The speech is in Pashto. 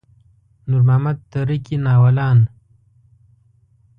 نور محمد تره کي ناولان.